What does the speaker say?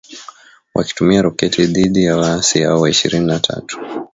wakitumia roketi dhidi ya waasi hao wa ishirini na tatu